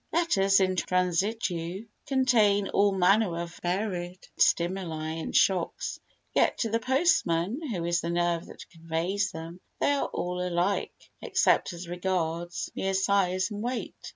Letters in transitu contain all manner of varied stimuli and shocks, yet to the postman, who is the nerve that conveys them, they are all alike, except as regards mere size and weight.